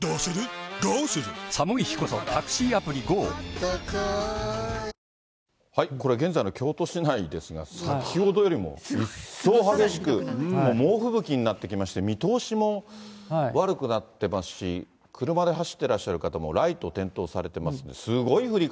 あなたもこれ、現在の京都市内ですが、先ほどよりも一層激しく、猛吹雪になってきまして、見通しも悪くなってますし、車で走ってらっしゃる方もライト点灯されてますね。